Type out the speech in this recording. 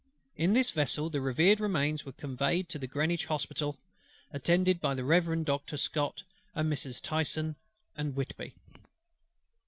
In this vessel the revered Remains were conveyed to Greenwich Hospital; attended by the Reverend Doctor SCOTT, and Messrs. TYSON and WHITBY.